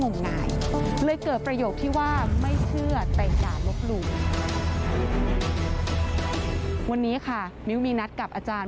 มันคือเรื่องที่งงงาย